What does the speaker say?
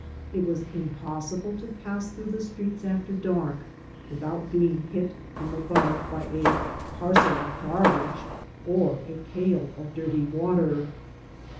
It was impossible to pass through the streets after dark without being hit from above by a parcel of garbage or a pail of dirty water.